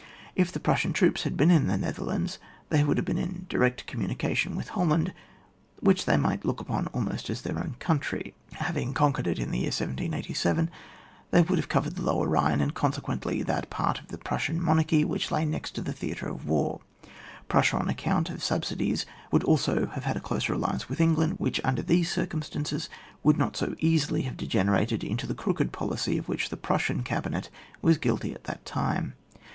If the Prussian troops had been in the Netherlands, they would have been in direct communication with Holland, which they might look upon almost as their own country, having conquered it in the year 1787 ; they would then have covered the Lower Bhine, and consequently that part of the Prussian monarchy which lay next to the theatre of war. Prussia on account of subsidies would also have had a closer alliance with England, which, under these circum stances, would not so easily have dege nerated into the crooked policy of which the Prussian cabinet was guilty at that time.